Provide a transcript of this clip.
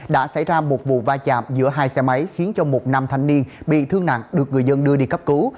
đã xảy ra một vụ va chạm giữa hai xe máy khiến cho một nam thanh niên bị thương nặng được người dân đưa đi cấp cứu